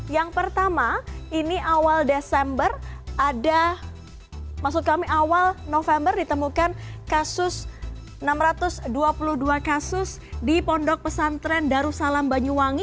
yang pertama ini awal desember ada maksud kami awal november ditemukan kasus enam ratus dua puluh dua kasus di pondok pesantren darussalam banyuwangi